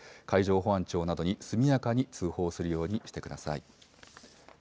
海上保安庁などに速やかに通報するようにしてください。